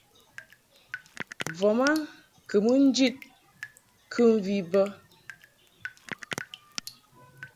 Voma kɨ mɨ ni njid kɨmvi bə.